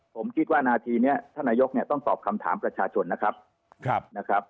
ผมคิดว่านาทีนี้ท่านนายกเนี่ยต้องตอบคำถามประชาชนนะครับนะครับ